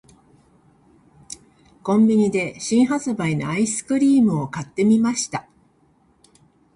•コンビニで新発売のアイスクリームを買ってみました。